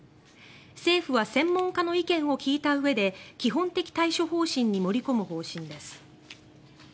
政府は専門家の意見を聞いたうえで基本的対処方針に盛り込む方針です。